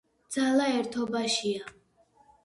ძალა ერთობაშია!